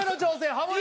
ハモリ